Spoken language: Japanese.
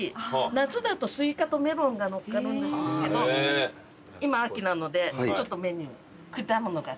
夏だとスイカとメロンが載っかるんですけど今秋なのでちょっとメニュー果物が替わりました。